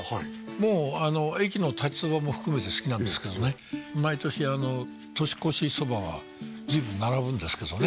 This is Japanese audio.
もう駅の立ち蕎麦も含めて好きなんですけどね毎年年越し蕎麦は随分並ぶんですけどね